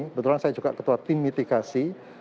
kebetulan saya juga ketua tim mitigasi